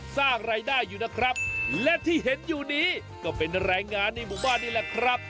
สร้างรายได้อยู่นะครับและที่เห็นอยู่นี้ก็เป็นแรงงานในหมู่บ้านนี่แหละครับ